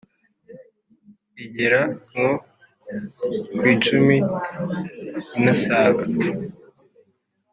igera nko kw’icumi inasaga